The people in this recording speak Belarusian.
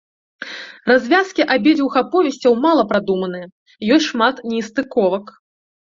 Развязкі абедзвюх аповесцяў мала прадуманыя, ёсць шмат нестыковак.